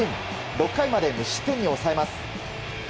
６回まで無失点に抑えます。